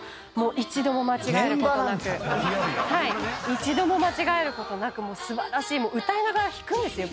一度も間違えることなくもう素晴らしい歌いながら弾くんですよ